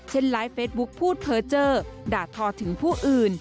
เช่นไลน์เฟซบุ๊กพูดเผลอเจอด่าทอถึงผู้อื่น